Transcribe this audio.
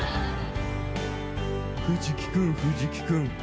「藤木君藤木君。